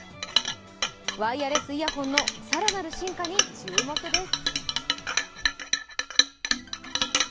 ワイヤレスイヤホンの更なる進化に注目です。